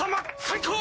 最高！